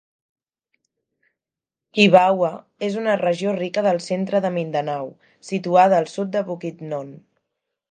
Kibawe és una regió rica del centre de Mindanao, situada al sud de Bukidnon.